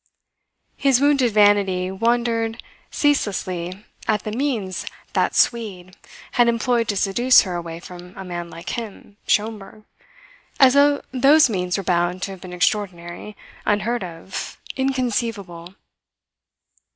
His wounded vanity wondered ceaselessly at the means "that Swede" had employed to seduce her away from a man like him Schomberg as though those means were bound to have been extraordinary, unheard of, inconceivable.